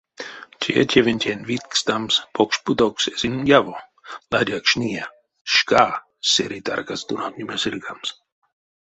Те тевентень, видькстамс, покш путовкс эзинь яво; ладякшныя — шка сэрей таркас тонавтнеме сыргамс.